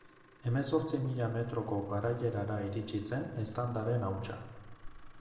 Hemezortzi mila metroko garaierara iritsi zen eztandaren hautsa.